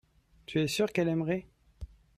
tu es sûr qu'elle aimerait.